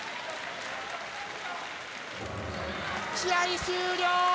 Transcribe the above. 試合終了！